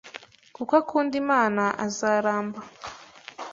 Kuko akunda Imana azaramba.